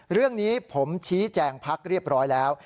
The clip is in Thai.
เรื่องนี้ผมชี้แจงพักเรียบร้อยแล้ว